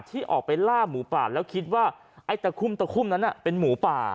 ที่ออกไปล่าหมูปลาแล้วคิดว่าตะคุ่มนั้นเป็นหมูปลา